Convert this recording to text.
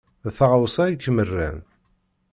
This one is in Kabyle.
D taɣawsa i kem-rran.